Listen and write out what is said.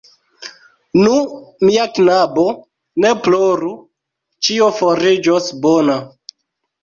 Nu, mia knabo, ne ploru; ĉio fariĝos bona.